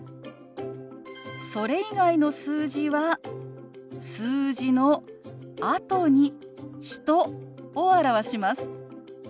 それ以外の数字は数字のあとに人を表します。